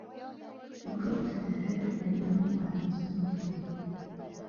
ورور ته د هرې بریا مبارکي ورکوې.